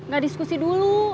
gak diskusi dulu